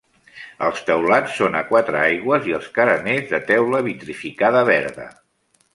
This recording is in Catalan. Els teulats són a quatre aigües i els careners de teula vitrificada verda.